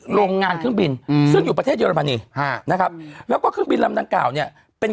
โรงงานเครื่องบินอืมซึ่งอยู่ประเทศเยอรมนีฮะนะครับแล้วก็เครื่องบินลำดังกล่าวเนี่ยเป็น